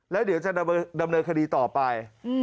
แล้วเดี๋ยวจะดำเนินคดีต่อไป